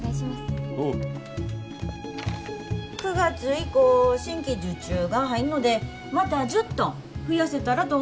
９月以降新規受注が入んのでまた１０トン増やせたらと思てるんです。